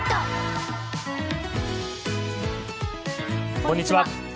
こんにちは。